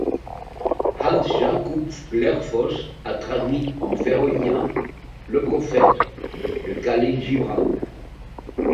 Hans Jákup Glerfoss a traduit en féroïen Le prophète, de Khalil Gibran.